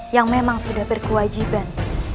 yang memang sudah berkewajiban